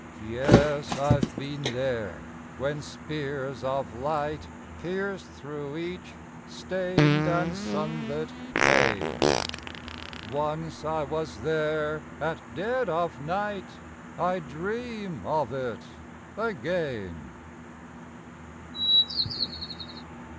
Yes, I've been there when spears of light Pierced thro' each stained and sunlit pane; Once I was there at dead of night I dream of it again.